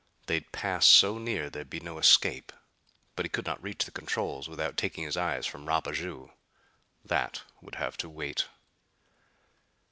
They'd pass so near there'd be no escape. But he could not reach the controls without taking his eyes from Rapaju. That would have to wait.